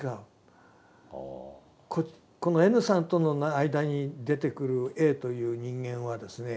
このＮさんとの間に出てくるＡという人間はですね